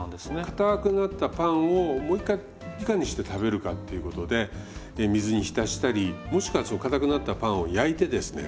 硬くなったパンをもう一回いかにして食べるかっていうことで水に浸したりもしくは硬くなったパンを焼いてですね